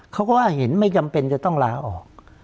เขาก็ว่าเห็นไม่จำเป็นจะต้องลาออก